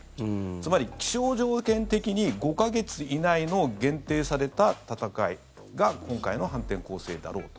つまり、気象条件的に５か月以内の限定された戦いが今回の反転攻勢だろうと。